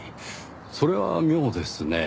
それは妙ですねぇ。